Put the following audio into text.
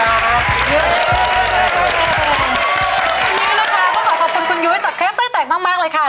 ขอบคุณยุ้ยนะครับขอบคุณคุณยุ้ยจากเคร็บไส้แตกมากมากเลยค่ะ